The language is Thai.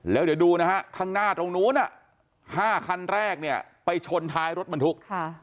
แล้วเดี๋ยวดูนะฮะข้างหน้าตรงนู้น๕คันแรกเนี่ยไปชนท้ายรถบรรทุก